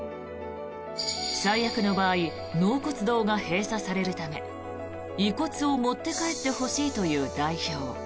最悪の場合納骨堂が閉鎖されるため遺骨を持って帰ってほしいという代表。